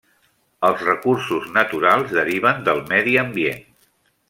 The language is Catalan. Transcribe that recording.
Els recursos naturals deriven del medi ambient.